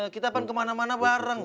kita akan kemana mana bareng